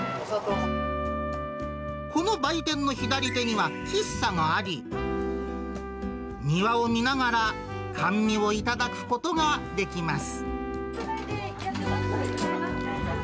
この売店の左手には喫茶があり、庭を見ながら甘味を頂くことができます。